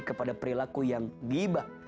kepada perilaku yang gibah